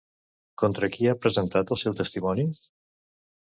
Contra qui ha presentat el seu testimoni?